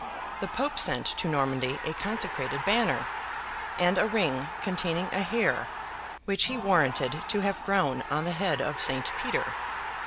The Pope sent to Normandy a consecrated banner, and a ring containing a hair which he warranted to have grown on the head of Saint Peter.